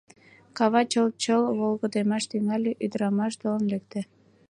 Кава чыл-чыл волгыдемаш тӱҥале — ӱдырамаш толын лекте.